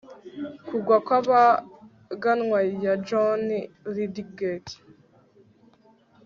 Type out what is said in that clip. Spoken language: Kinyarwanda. kugwa kw'abaganwa ya john lydgate